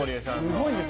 すごいです。